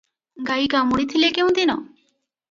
ଗାଈ କାମୁଡ଼ିଥିଲେ କେଉଁ ଦିନ?